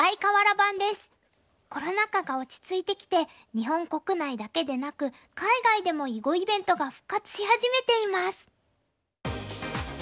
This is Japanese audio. コロナ禍が落ち着いてきて日本国内だけでなく海外でも囲碁イベントが復活し始めています。